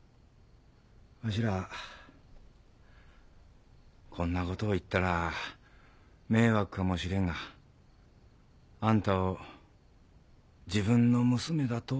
わしらこんなことを言ったら迷惑かもしれんがあんたを自分の娘だと思っとる。